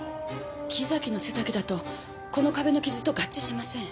木崎の背丈だとこの壁の傷と合致しません。